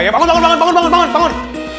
bangun bangun bangun